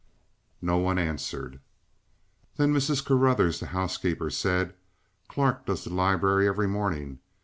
No one answered. Then Mrs. Carruthers, the housekeeper, said: "Clarke does the library every morning.